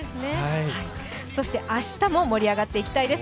そして明日も盛り上がっていきたいです。